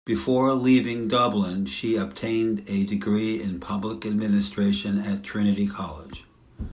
Before leaving Dublin she obtained a degree in public administration at Trinity College.